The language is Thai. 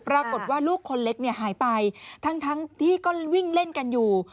ปรากฏว่าลูกคนเล็กเนี่ยหายไปทั้งที่ก็วิ่งเล่นกันอยู่